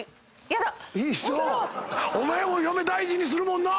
お前も嫁大事にするもんな。